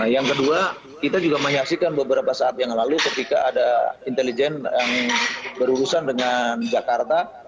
yang kedua kita juga menyaksikan beberapa saat yang lalu ketika ada intelijen yang berurusan dengan jakarta